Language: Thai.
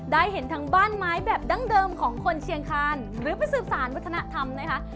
ได้เห็นทั้งบ้านไม้แบบดั้งเดิมของคนเชียงคานหรือไปสืบสารวัฒนธรรมนะคะ